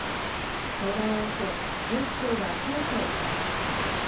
相談を受け、警視庁が捜査を開始。